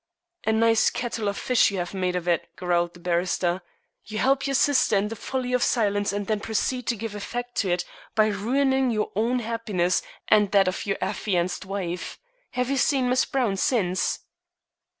"A nice kettle of fish you have made of it," growled the barrister. "You help your sister in her folly of silence and then proceed to give effect to it by ruining your own happiness and that of your affianced wife. Have you seen Miss Browne since?"